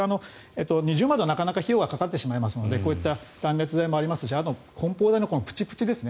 二重窓というのはなかなか費用がかかってしまいますのでこういった断熱材もありますしあとはこん包材のプチプチですね